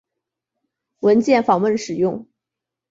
文件访问使用。